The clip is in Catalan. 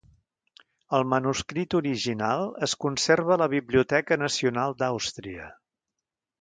El manuscrit original es conserva a la Biblioteca Nacional d'Àustria.